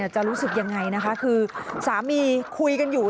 จะรู้สึกยังไงนะคะคือสามีคุยกันอยู่